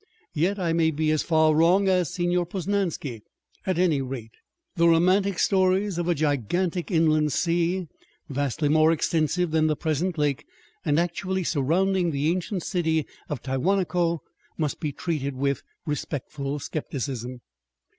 Yet I may be as far wrong as Señor Posnansky! At any rate, the romantic stories of a gigantic inland sea, vastly more extensive than the present lake and actually surrounding the ancient city of Tiahuanaco, must be treated with respectful skepticism.